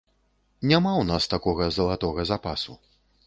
Няма ў нас такога залатога запасу.